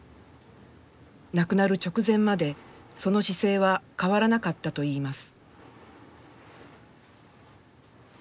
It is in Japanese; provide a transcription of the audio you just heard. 亡くなる直前まで、その姿勢は変わらなかったといいます。